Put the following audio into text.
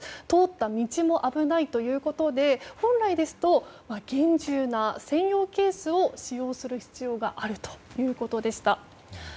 通った道も危ないということで本来ですと、厳重な専用ケースを使用する必要があるということでした。